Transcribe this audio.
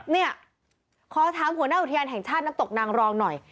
เนี่ยขอถามหัวหน้าอุทยานแห่งชาติน้ำตกนางรองหน่อย